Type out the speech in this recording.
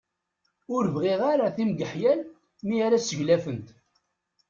Ur bɣiɣ ara timgeḥyal mi ara seglafent.